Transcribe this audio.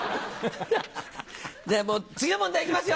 じゃあもう次の問題いきますよ！